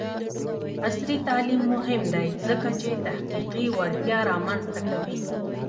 عصري تعلیم مهم دی ځکه چې تحقیقي وړتیا رامنځته کوي.